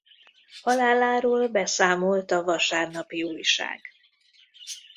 Haláláról beszámolt a Vasárnapi Ujság.